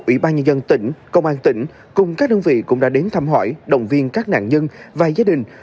ủy ban nhân dân tỉnh công an tỉnh cùng các đơn vị cũng đã đến thăm hỏi động viên các nạn nhân và gia đình